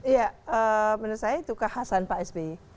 ya menurut saya itu kekhasan pak sby